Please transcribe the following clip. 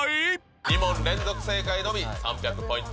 ２問連続正解のみ３００ポイント。